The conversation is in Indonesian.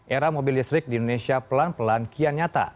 era mobil listrik di indonesia pelan pelan kian nyata